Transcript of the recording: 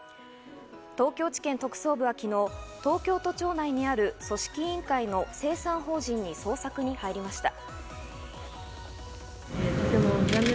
東京地検特捜部は昨日、東京都庁内にある組織委員会の精算法人に捜索に入りました。